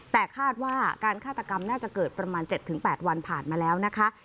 แต่คาดว่าการฆาตกรรมน่าจะเกิดประมาณ๗๘วันผ่านมาแล้วนะคะ